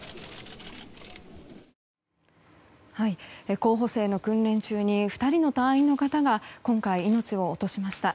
候補生の訓練中に２人の隊員の方が今回、命を落としました。